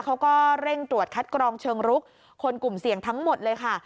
เขาก็เร่งตรวจคัดกรองเชิงรุกคนกลุ่มเสี่ยงทั้งหมดเลยค่ะ